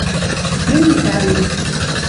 мӹньӹ пӓлем.